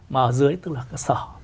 mà ở dưới tức là cơ sở